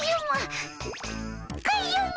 カズマ！